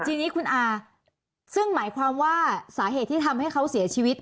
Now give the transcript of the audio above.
ทีนี้คุณอาซึ่งหมายความว่าสาเหตุที่ทำให้เขาเสียชีวิต